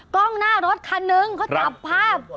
กล้องหน้ารถคันนึงเขาจับภาพ